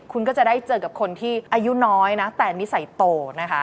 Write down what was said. คุณก็จะได้เจอกับคนที่อายุน้อยนะแต่นิสัยโตนะคะ